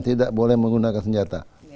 tidak boleh menggunakan senjata